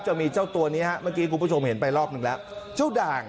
จะมีเจ้าตัวนี้ครับเมื่อกี้คุณผู้ชมเห็นไปรอบนึงแล้ว